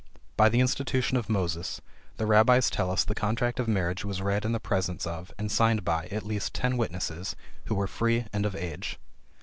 By the institution of Moses, the Rabbies tell us the contract of marriage was read in the presence of, and signed by, at least ten witnesses, who were free, and of age.